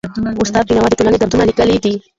استاد بینوا د ټولني دردونه لیکلي دي.